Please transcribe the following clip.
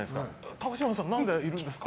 高嶋さん何でいるんですか？